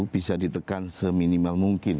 bisa ditekan seminimal mungkin